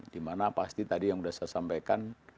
dimana pasti tadi yang sudah saya sampaikan